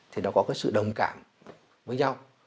thì nó có cái sự đồng cảm với nhau